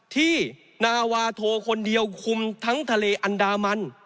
ที่นาวาโทคนเดียวคุมทั้งทะเลอันดามัน